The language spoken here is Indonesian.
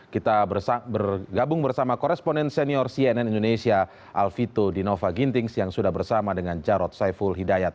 kita bergabung bersama koresponen senior cnn indonesia alvito dinova gintings yang sudah bersama dengan jarod saiful hidayat